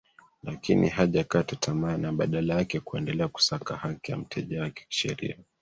lakini hajakata tamaa na badala yake kuendelea kusaka haki ya mteja wake kisheria